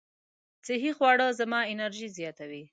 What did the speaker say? صحي خواړه زما انرژي زیاتوي.